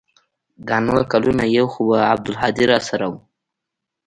دا نور کلونه يو خو به عبدالهادي راسره و.